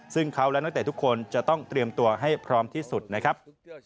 ซึ่งเขาและนักเตะทุกคนจะต้องเตรียมตัวให้พร้อมที่สุดนะครับ